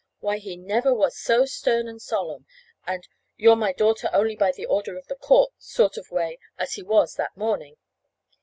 Why, he never was so stern and solemn, and you're my daughter only by the order of the court sort of way as he was that morning.